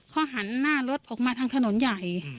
เขาหันหน้ารถออกมาทางถนนใหญ่